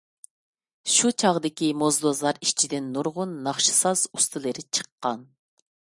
شۇ چاغدىكى موزدۇزلار ئىچىدىن نۇرغۇن ناخشا ساز ئۇستىلىرى چىققان.